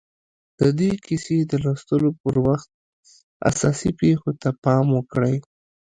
د دې کیسې د لوستلو پر وخت اساسي پېښو ته پام وکړئ